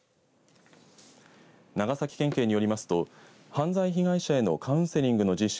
長崎県警によりますと犯罪被害者へのカウンセリングの実施